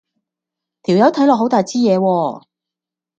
條友睇落好大枝野喎